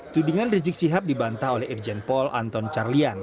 tudingan rizik shihab dibantah oleh irjen pol anton carlyan